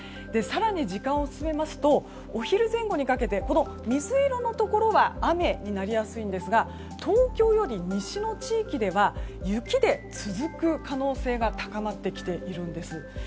更に時間を進めますとお昼前後にかけて水色のところが雨になりやすいんですが東京より西の地域では雪で続く可能性が高まってきているんです。